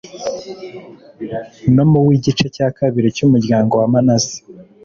no mu w'igice cya kabiri cy'umuryango wa manase